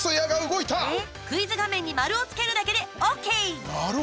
クイズ画面に丸をつけるだけでＯＫ！